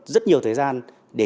đếch ph appearance